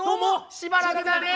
しばらくだね。